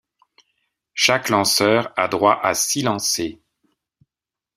Chaque lanceur a droit à six lancers.